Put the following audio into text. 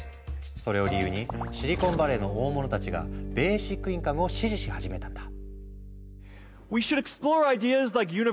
それを理由にシリコンバレーの大物たちがベーシックインカムを支持し始めたんだ。